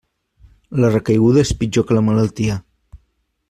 La recaiguda és pitjor que la malaltia.